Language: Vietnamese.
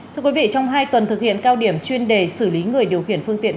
thưa quý vị trong hai tuần thực hiện cao điểm chuyên đề xử lý người điều khiển phương tiện